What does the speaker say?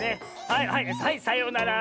はいはいはいさようなら。